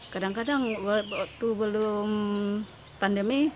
kadang kadang waktu belum pandemi